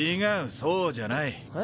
そうじゃない。えっ？